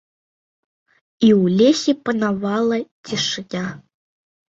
І ў лесе панавала цішыня.